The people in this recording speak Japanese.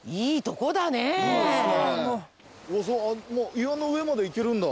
岩の上まで行けるんだ。